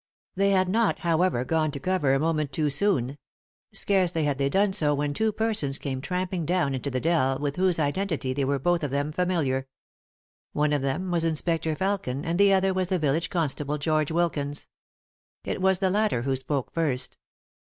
They had not, however, gone to cover a moment too soon. Scarcely had they done so when two persons came tramping down into the dell with whose identity they were both of them familiar. One of them was Inspector Felkin, and the other was the village constable, George Wilkins. It was the latter who spoke first.